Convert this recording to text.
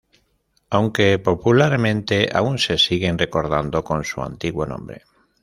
Aunque popularmente aún se siguen recordando con su antiguo nombre.